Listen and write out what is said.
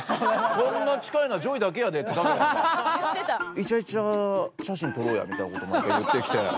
「イチャイチャ写真撮ろうや」みたいな事毎回言ってきて。